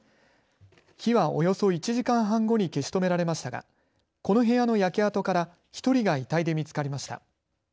火は、およそ１時間半後に消し止められましたがこの部屋の焼け跡から１人が遺体で見つかりました。